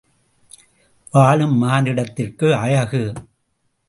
வாழும் மானிடத்திற்கு அழகு?